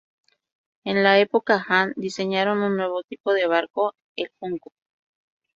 En la Época Han diseñaron un nuevo tipo de barco, el junco.